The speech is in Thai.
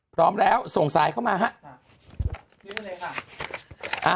พร้อมแล้วส่งสายเข้ามาฮะ